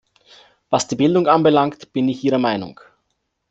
Was die Bildung anbelangt, bin ich Ihrer Meinung.